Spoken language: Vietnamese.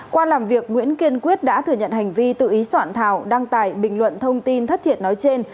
qua làm việc nguyễn kiên quyết đã thừa nhận hành vi tự ý soạn thảo đăng tải bình luận thông tin thất thiệt nói trên